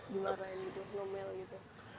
dimarahin gitu ngomel gitu